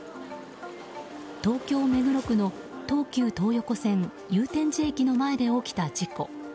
東京・目黒区の東急東横線祐天寺駅の前で起きた事故。